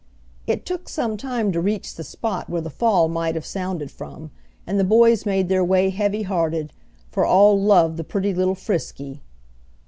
It took some time to reach the spot where the fall might have sounded from, and the boys made their way heavy hearted, for all loved the pretty little Frisky.